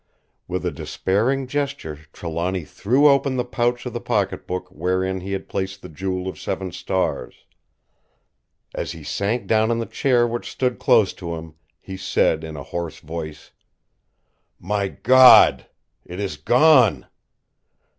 With a despairing gesture Trelawny threw open the pouch of the pocket book wherein he had placed the Jewel of Seven Stars. As he sank down on the chair which stood close to him, he said in a hoarse voice: "My God! it is gone.